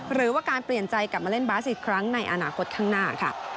หรือว่าการเปลี่ยนใจกลับมาเล่นบาสอีกครั้งในอนาคตข้างหน้าค่ะ